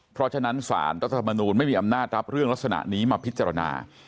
เพราะฉะนั้นสารรัฐธรรมนูลไม่มีอำนาจรับเรื่องลักษณะนี้มาพิจารณา